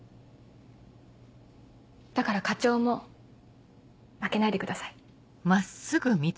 だから課長も負けないでください。